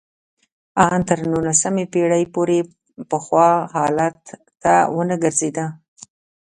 ان تر نولسمې پېړۍ پورې پخوا حالت ته ونه ګرځېده